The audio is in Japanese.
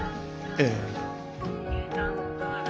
ええ。